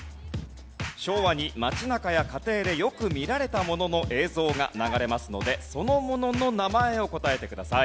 昭和に街中や家庭でよく見られたものの映像が流れますのでそのものの名前を答えてください。